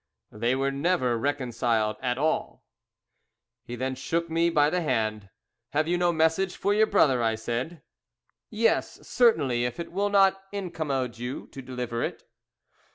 "They were never reconciled at all." He then shook me by the hand. "Have you no message for your brother?" I said. "Yes, certainly, if it will not incommode you to deliver it."